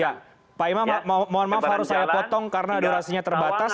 ya pak imam mohon maaf harus saya potong karena durasinya terbatas